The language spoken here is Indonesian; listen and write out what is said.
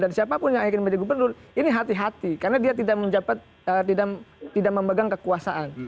dan siapapun yang ingin menjadi gubernur ini hati hati karena dia tidak memegang kekuasaan